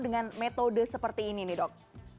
dengan metode seperti ini nih dok